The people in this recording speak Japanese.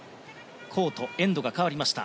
コート、エンドが変わりました。